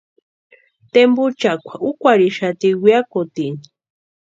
Tempuchakwa úkwarhixati weakutini.